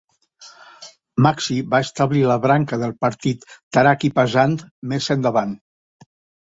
Magsi va establir la branca del partit Taraqi Pasand més endavant.